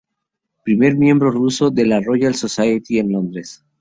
Primer miembro ruso de la Royal Society de Londres.